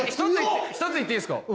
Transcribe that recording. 一つ言っていいですか。